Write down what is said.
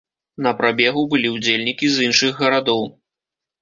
На прабегу былі ўдзельнікі з іншых гарадоў.